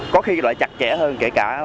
có khi lại chặt chẽ hơn kể cả